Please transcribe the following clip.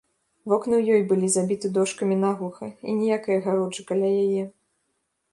Вокны ў ёй былі забіты дошкамі наглуха, і ніякай агароджы каля яе.